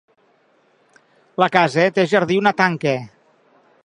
La casa té jardí una tanca.